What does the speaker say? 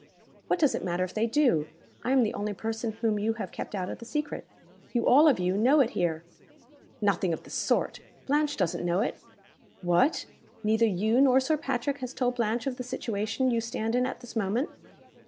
"What does it matter if they do? I am the only person whom you have kept out of the secret. You all of you know it here." "Nothing of the sort! Blanche doesn't know it." "What! Neither you nor Sir Patrick has told Blanche of the situation you stand in at this moment?"